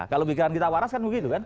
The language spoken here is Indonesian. kalau pikiran kita waras kan begitu kan